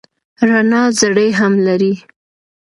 رڼا ذرې هم لري.